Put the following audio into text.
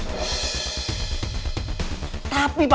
tapi papa gak mau nyerah